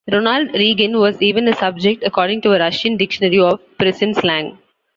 Ronald Reagan was even a subject, according to a Russian dictionary of prison slang.